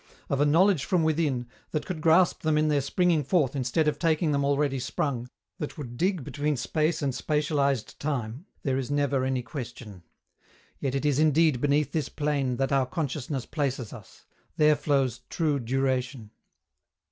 Of a knowledge from within, that could grasp them in their springing forth instead of taking them already sprung, that would dig beneath space and spatialized time, there is never any question. Yet it is indeed beneath this plane that our consciousness places us; there flows true duration.